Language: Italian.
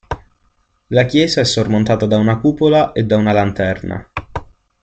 La chiesa è sormontata da una cupola e da una lanterna.